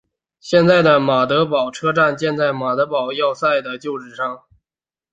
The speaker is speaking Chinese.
现在的马德堡车站建在马德堡要塞的旧址上。